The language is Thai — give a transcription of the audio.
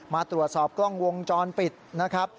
มาตรวจสอบกล้องวงจรปิดนะครับ